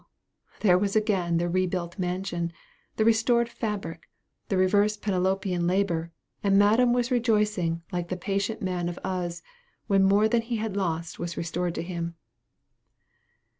there was again the rebuilt mansion the restored fabric, the reversed Penelopian labor: and madam was rejoicing like the patient man of Uz, when more than he had lost was restored to him.